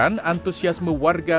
menangani antusiasme warga